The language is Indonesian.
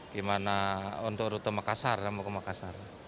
gimana untuk rute makassar